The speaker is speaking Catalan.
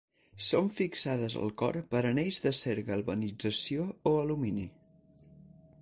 Són fixades al cos per anells d'acer galvanització o alumini.